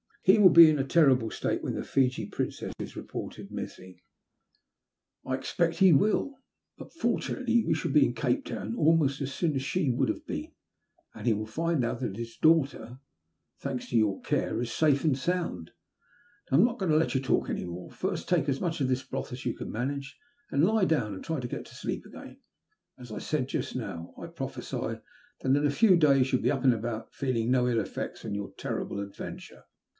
He will be in a terrible state when the Fiji Princess is reported missing." ''I expect he will; but, fortunately, we shall be in Cape Town almost as soon as she would have been, and he will find that his daugliter, thanks to your care, is safe and sound. Now I am not going to let you talk any more. First, take as much of this broth as you can manage, and then lie down and try to get to sleep again. As I said just now, I prophesy that in a few days you'll be up and about, feeling no ill e£fects from your terrible adventure."